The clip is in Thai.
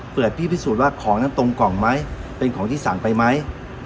พี่พิสูจน์ว่าของนั้นตรงกล่องไหมเป็นของที่สั่งไปไหม